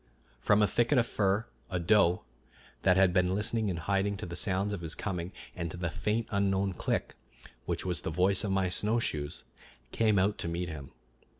From a thicket of fir a doe, that had been listening in hiding to the sounds of his coming and to the faint unknown click, which was the voice of my snowshoes, came out to meet him.